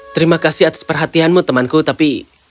terima kasih atas perhatianmu temanku tapi